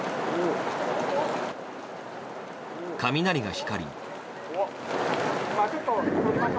雷が光り。